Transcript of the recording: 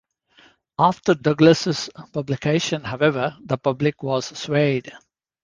After Douglass's publication, however, the public was swayed.